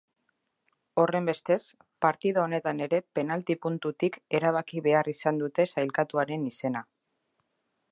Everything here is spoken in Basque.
Horrenbestez, partida honetan ere penalti puntutik erabaki behar izan dute sailkatuaren izena.